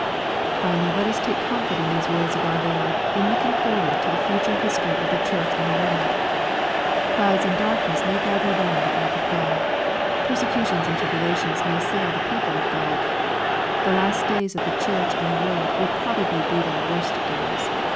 '' Finally, let us take comfort in these words of our Lord, in looking forward to the future history of the Church and the world. Clouds and darkness may gather round the ark of God. Persecutions and tribulations may assail the people of God. The last days of the Church and world will probably be their worst days.